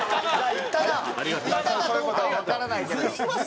行ったかどうかはわからないけど。